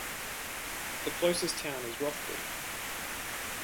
The closest town is Rothbury.